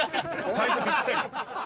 サイズぴったり。